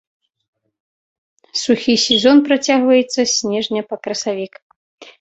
Сухі сезон працягваецца з снежня па красавік.